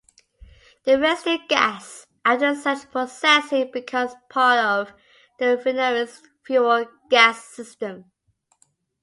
The residual gas after such processing becomes part of the refinery's fuel gas system.